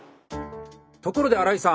ところで荒井さん